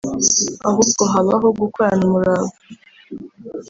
ahubwo habaho gukorana umurava